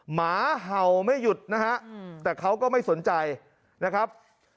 หมาเห่าไม่หยุดนะฮะแต่เขาก็ไม่สนใจนะครับ